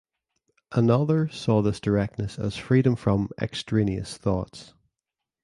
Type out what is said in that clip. Another saw this directness as freedom from "extraneous thoughts".